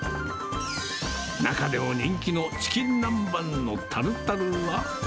中でも人気のチキン南蛮のタルタルは。